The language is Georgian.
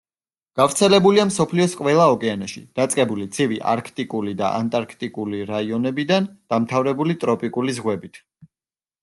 გავრცელებულია მსოფლიოს ყველა ოკეანეში, დაწყებული ცივი არქტიკული და ანტარქტიკული რაიონებიდან დამთავრებული ტროპიკული ზღვებით.